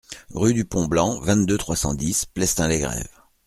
Rue du Pont Blanc, vingt-deux, trois cent dix Plestin-les-Grèves